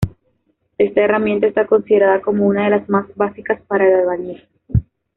Esta herramienta está considerada como una de las más básicas para el albañil.